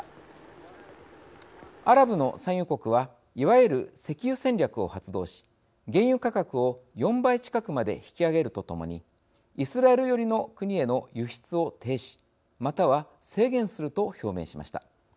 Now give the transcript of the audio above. アラブの産油国はいわゆる石油戦略を発動し原油価格を４倍近くまで引き上げるとともにイスラエル寄りの国への輸出を停止または制限すると表明しました。